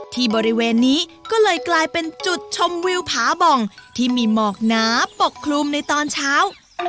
ที่บริเวณนี้ก็เลยกลายเป็นจุดชมวิวผาบ่องที่มีหมอกหนาปกคลุมในตอนเช้า